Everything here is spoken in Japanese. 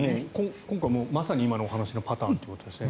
今回もまさに今のお話のパターンということですね。